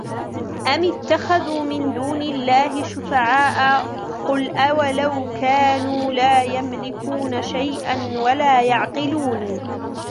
أم اتخذوا من دون الله شفعاء قل أولو كانوا لا يملكون شيئا ولا يعقلون